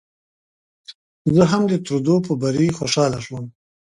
زه هم د ترودو په بري خوشاله شوم.